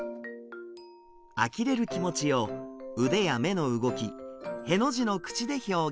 あきれる気持ちを腕や目の動きへの字の口で表現。